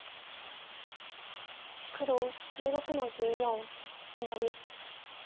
黒１６の十四シマリ。